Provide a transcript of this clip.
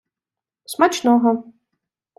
Смачного!